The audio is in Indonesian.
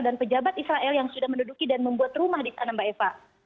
dan pejabat israel yang sudah menduduki dan membuat rumah di sana mbak eva